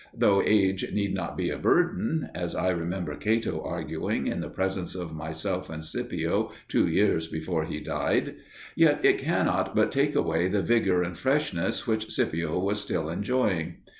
Though age need not be a burden, as I remember Cato arguing in the presence of myself and Scipio two years before he died, yet it cannot but take away the vigour and freshness which Scipio was still enjoying.